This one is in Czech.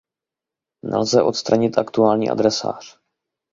Nelze odstranit aktuální adresář.